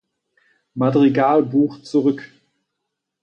Madrigalbuch zurück.